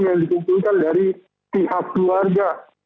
yang dikumpulkan dari pihak keluarga